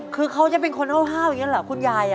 คือเขาจะเป็นคนห้าวอย่างนี้เหรอคุณยาย